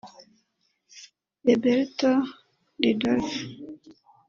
Roberto Ridolfi